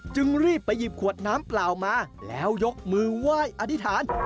จึงรีบไปหยิบขวดน้ำเปล่ามาแล้วยกมือไหว้อธิษฐาน